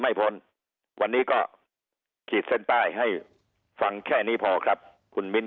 พ้นวันนี้ก็ขีดเส้นใต้ให้ฟังแค่นี้พอครับคุณมิ้น